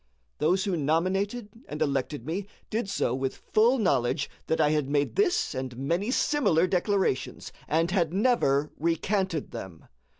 Those who nominated and elected me did so with full knowledge that I had made this and many similar declarations, and had never recanted them.